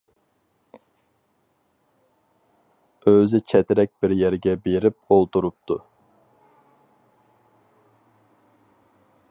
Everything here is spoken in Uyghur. ئۆزى چەترەك بىر يەرگە بېرىپ ئولتۇرۇپتۇ.